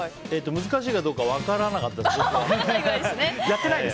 難しいかどうか分からなかったです。